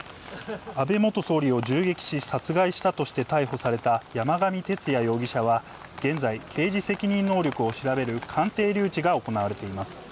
安倍元総理を銃撃し殺害したとして、逮捕された山上徹也容疑者は、現在、刑事責任能力を調べる鑑定留置が行われています。